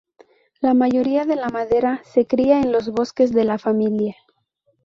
La mayoría de la madera se cria en los bosques de la familia.